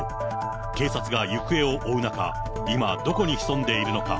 警察が行方を追う中、今、どこに潜んでいるのか。